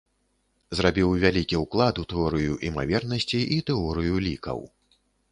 Зрабіў вялікі ўклад у тэорыю імавернасцей і тэорыю лікаў.